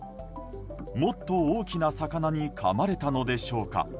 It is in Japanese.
もっと大きな魚にかまれたのでしょうか。